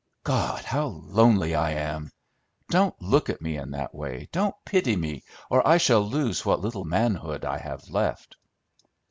God! how lonely I am! Don't look at me in that way; don't pity me, or I shall lose what little manhood I have left!"